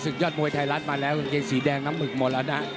ยอดมวยไทยรัฐมาแล้วกางเกงสีแดงน้ำหมึกหมดแล้วนะ